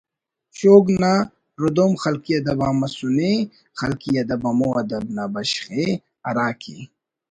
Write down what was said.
شوگ نا ردوم خلقی ادب آن مسنے خلقی ادب ہمو ادب نا بشخ ءِ ہراکہ